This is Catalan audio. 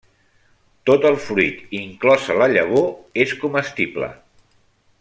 Tot el fruit, inclosa la llavor, és comestible.